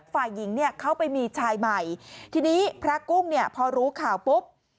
ฝ่ายหญิงเนี่ยเข้าไปมีชายใหม่ทีนี้พระกุ้งเนี่ยพอรู้ข่าวปุ๊บ